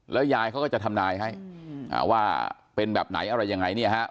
ยายเขาก็จะทำนายให้ว่าเป็นแบบไหนอะไรยังไงเนี่ยฮะ